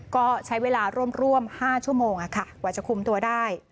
ก็ใช้เวลาร่วม๕ชั่วโมงกว่าจะคุมตัวได้